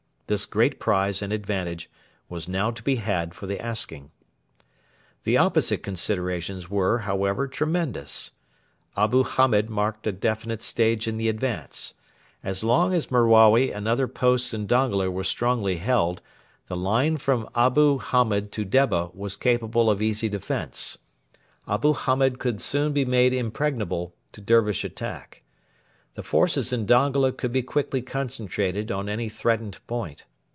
This great prize and advantage was now to be had for the asking. The opposite considerations were, however, tremendous. Abu Hamed marked a definite stage in the advance. As long as Merawi and the other posts in Dongola were strongly held, the line from Abu Hamed to Debba was capable of easy defence. Abu Hamed could soon be made impregnable to Dervish attack. The forces in Dongola could be quickly concentrated on any threatened point.